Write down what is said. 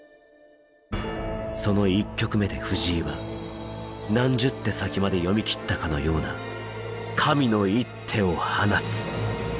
その１局目で藤井は何十手先まで読み切ったかのような神の一手を放つ！